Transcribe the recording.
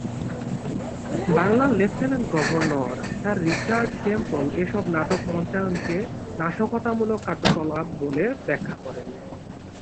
বাংলার lieutenant governor sir Richard Temple এসব নাটক মঞ্চায়নকে নাশকতামূলক কার্যকলাপ বলে ব্যাখ্যা করেন।